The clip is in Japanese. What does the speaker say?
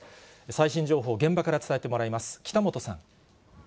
最新情報を現場から伝えてもらいます。